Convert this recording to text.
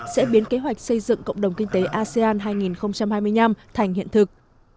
sẽ biến kế hoạch xây dựng cộng đồng kinh tế asean hai nghìn hai mươi năm thành hiện thực